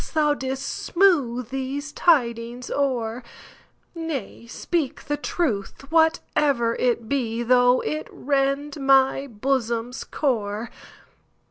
Thou 'dst smooth these tidings o'er,—Nay, speak the truth, whatever it be, Though it rend my bosom's core.